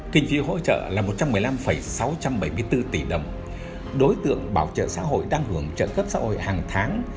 kinh phí hỗ trợ là một trăm một mươi năm sáu trăm bảy mươi bốn tỷ đồng đối tượng bảo trợ xã hội đang hưởng trợ cấp xã hội hàng tháng